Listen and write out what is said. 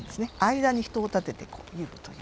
間に人を立てて言うという。